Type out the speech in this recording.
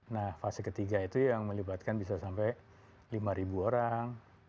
nah fase ketiga itu yang melibatkan bisa sampai lima orang